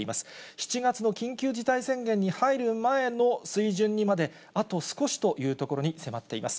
７月の緊急事態宣言に入る前の水準にまであと少しというところまで迫っています。